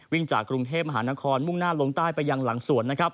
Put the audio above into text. วิ่งจากกรุงเทพมหานครมุ่งหน้าลงใต้ไปยังหลังสวน